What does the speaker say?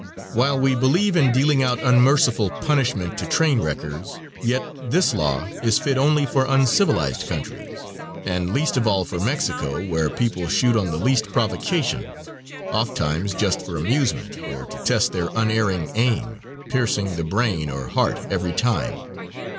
While we believe in dealing out unmerciful punishment to train wreckers, yet this law is fit only for uncivilized countries, and least of all for Mexico, where people shoot on the least provocation, ofttimes just for amusement, or to test their unerring aim, piercing the brain or heart every time.